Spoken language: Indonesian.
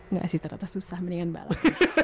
nggak sih ternyata susah mendingan balap